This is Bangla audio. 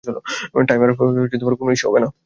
টাইমার কোনও ইস্যু হবে!